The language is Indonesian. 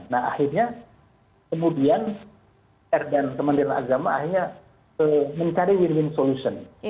nah akhirnya kemudian r dan kementerian agama akhirnya mencari win win solution